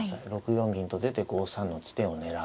６四銀と出て５三の地点を狙う。